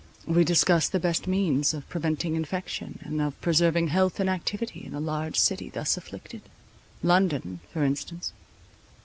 We discussed the best means of preventing infection, and of preserving health and activity in a large city thus afflicted—London, for instance.